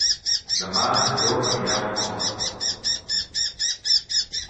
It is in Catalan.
Demà en Llop anirà a Moncofa.